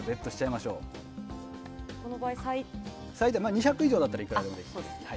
２００以上だったらいくらでもできます。